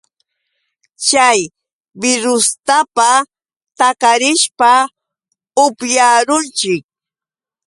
Chay birrustaqa takarishpa upyarunchik.